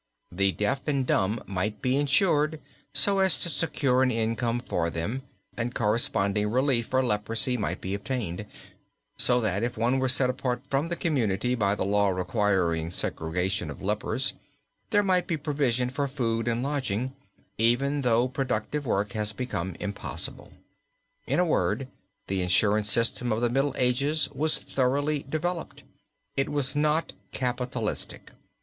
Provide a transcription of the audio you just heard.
The deaf and dumb might be insured so as to secure an income for them, and corresponding relief for leprosy might be obtained; so that, if one were set apart from the community by the law requiring segregation of lepers, there might be provision for food and lodging, even though productive work had become impossible. In a word, the insurance system of the Middle Ages was thoroughly developed. It was not capitalistic.